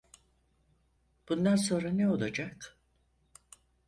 Bundan sonra ne olacak?